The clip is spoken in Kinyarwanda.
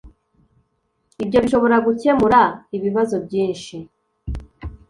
Ibyo bishobora gukemura ibibazo byinshi